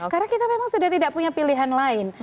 karena kita memang sudah tidak punya pilihan lain